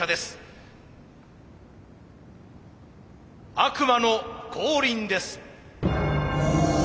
悪魔の降臨です。